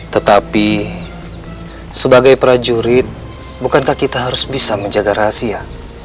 tetapi sebagai prajurit bukankah kita harus bisa menjaga rahasia